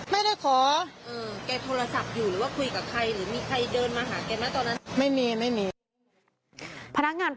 แล้วเขาขอความช่วยเหลืออะไรไหมตอนนั้น